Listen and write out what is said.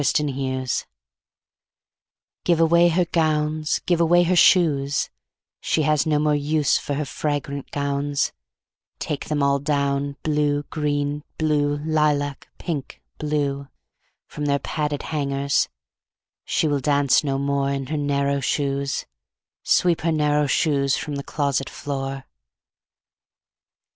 CHORUS Give away her gowns, Give away her shoes; She has no more use For her fragrant gowns; Take them all down, Blue, green, blue, Lilac, pink, blue, From their padded hangers; She will dance no more In her narrow shoes; Sweep her narrow shoes From the closet floor.